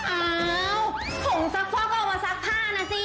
อ้าวผงซักฟอกก็เอามาซักผ้านะสิ